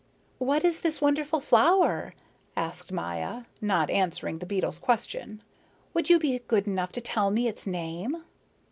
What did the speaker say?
"What is this wonderful flower?" asked Maya, not answering the beetle's question. "Would you be good enough to tell me its name?"